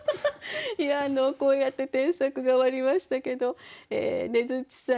いやこうやって添削が終わりましたけどねづっちさん